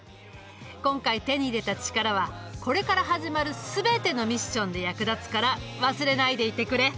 今回手に入れたチカラはこれから始まる全てのミッションで役立つから忘れないでいてくれ。